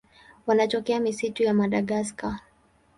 Wanatokea misitu ya Madagaska.